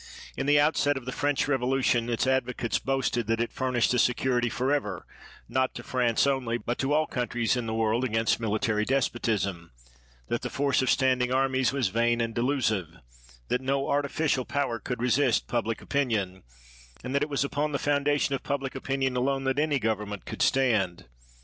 In the out set of the French Revolution its advocates boast ed that it furnished a security for ever, not to France only, but to all countries in the world, against military despotism; that the force of standing armies was vain and delusive; that no artificial power could resist public opinion; and that it was upon the foundation of public opinion alone that any government could stand.